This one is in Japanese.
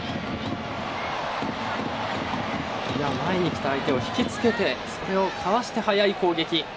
前に来た相手を引きつけてそれをかわして、早い攻撃。